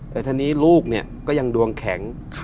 แต่ทีนี้ลูกก็ยังดวงแข็ง